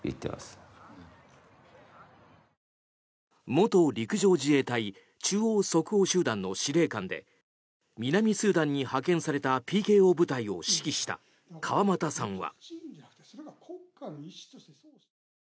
元陸上自衛隊中央即応集団の司令官で南スーダンに派遣されたＰＫＯ部隊を指揮した川又さんは。